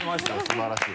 素晴らしい。